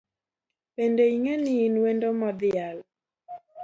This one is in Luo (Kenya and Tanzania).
Bende ing’eni in wendo modhial